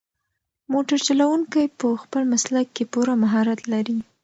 موټر چلونکی په خپل مسلک کې پوره مهارت لري.